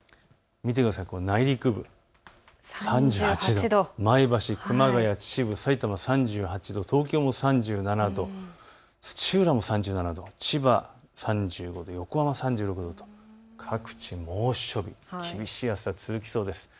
内陸部、３８度、前橋、熊谷、秩父、さいたま３８度、東京も３７度、土浦も３７度、千葉３５度、横浜３６度、各地、猛暑日、厳しい暑さが続きそうです。